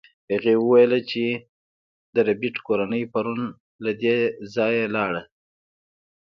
هغې وویل چې د ربیټ کورنۍ پرون له دې ځایه لاړه